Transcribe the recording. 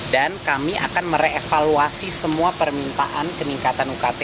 dan kami akan merevaluasi semua permintaan peningkatan ukt